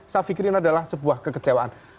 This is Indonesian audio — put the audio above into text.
saya pikirin adalah sebuah kekecewaan